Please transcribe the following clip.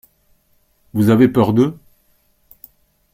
Vous avez peur d’eux ?